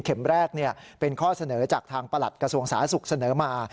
แรกเป็นข้อเสนอจากทางประหลัดกระทรวงสาธารณสุขเสนอมา